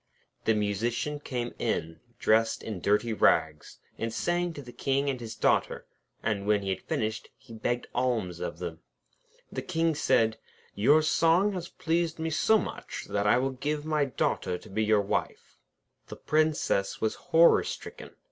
The Musician came in, dressed in dirty rags, and sang to the King and his Daughter, and when he had finished, he begged alms of them. The King said: 'Your song has pleased me so much, that I will give you my Daughter to be your wife.' The Princess was horror stricken.